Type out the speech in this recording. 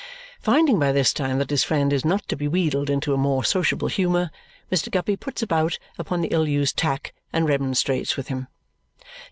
Finding by this time that his friend is not to be wheedled into a more sociable humour, Mr. Guppy puts about upon the ill used tack and remonstrates with him.